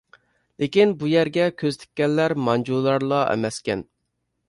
لېكىن بۇ يەرگە كۆز تىككەنلەر مانجۇلارلا ئەمەسكەن.